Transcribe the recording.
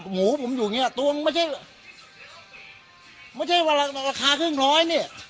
หมูผมอยู่อย่างเงี้ยตัวมึงไม่ใช่ไม่ใช่วันละราคาครึ่งร้อยเนี่ย